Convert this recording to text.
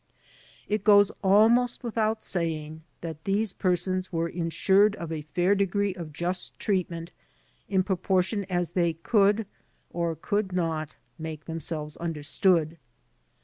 It goes almost without saying that these persons were in sured of a fair degree of just treatment in proportion as they could or could not make themselves understood.